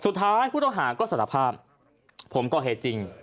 สุดท้ายผู้ต้องหาก็สารภาพผมก่อเหตุจริง